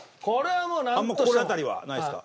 あんまり心当たりはないですか？